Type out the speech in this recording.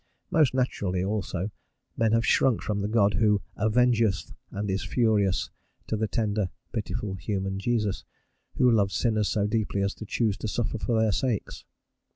Most naturally, also, have men shrunk from the God who "avengeth and is furious" to the tender, pitiful, human Jesus, who loved sinners so deeply as to choose to suffer for their sakes.